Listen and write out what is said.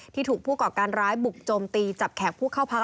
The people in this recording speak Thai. ที่ถูกผู้ก่อการร้ายบุกโจมตีจับแขกผู้เข้าพัก